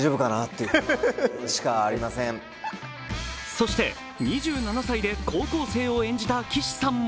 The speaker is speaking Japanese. そして２７歳で高校生を演じた岸さんも